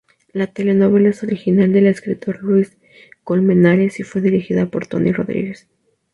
La telenovela es original del escritor Luis Colmenares y fue dirigida por Tony Rodríguez.